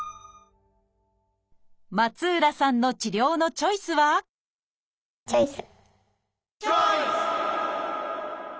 松浦さんの治療のチョイスはチョイス！